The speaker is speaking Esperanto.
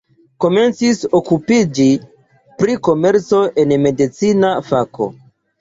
Komencis okupiĝi pri komerco en medicina fako.